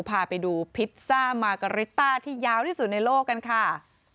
พาไปดูพิซซ่ามาการิตต้าที่ยาวที่สุดในโลกกันค่ะ